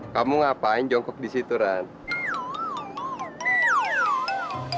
kamu ngapain jongkok disitu rand